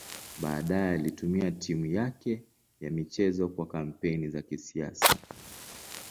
Baadaye alitumia timu yake ya michezo kwa kampeni za kisiasa.